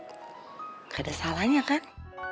nggak ada salahnya kan